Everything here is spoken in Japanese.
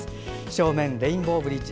正面、レインボーブリッジ。